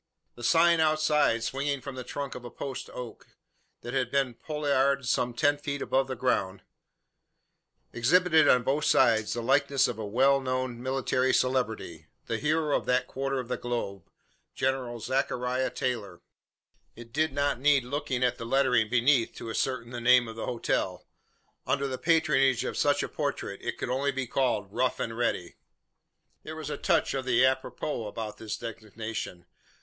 The sign outside, swinging from the trunk of a post oak, that had been pollarded some ten feet above the ground, exhibited on both sides the likeness of a well known military celebrity the hero of that quarter of the globe General Zachariah Taylor. It did not need looking at the lettering beneath to ascertain the name of the hotel. Under the patronage of such a portrait it could only be called "Rough and Ready." There was a touch of the apropos about this designation.